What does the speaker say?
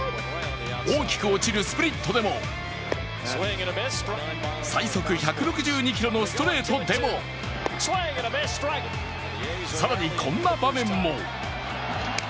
大きく落ちるスプリットでも最速１６２キロのストレートでも更にこんな場面も。